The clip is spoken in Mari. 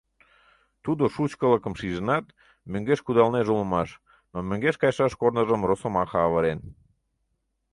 Тудо шучкылыкым шижынат, мӧҥгеш кудалнеже улмаш, но мӧҥгеш кайышаш корныжым росомаха авырен.